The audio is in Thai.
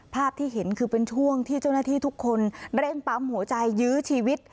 ภาพที่เห็นคือเป็นช่วงที่เจ้าหน้าที่ทุกคนเร่งปั๊มหัวใจยื้อชีวิต